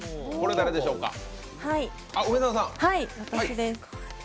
これ、誰でしょうか？